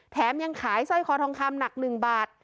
แถมยังขายซ่อยคอทรงคำหนักหนึ่งบาท